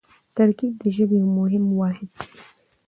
ترکیب د ژبې یو مهم واحد دئ.